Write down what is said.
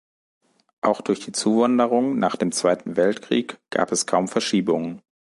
Auch durch die Zuwanderung nach dem Zweiten Weltkrieg gab es kaum Verschiebungen.